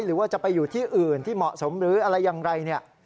หรือว่าจะไปอยู่ที่อื่นที่เหมาะสมหรืออะไรอย่างไรเนี่ย